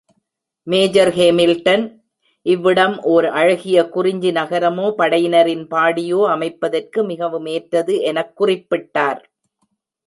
Major Hamilton, இவ்விடம் ஓர் அழகிய குறிஞ்சி நகரமோ, படையினரின் பாடியோ அமைப்பதற்கு மிகவும் ஏற்றது எனக் குறிப்பிட்டார்.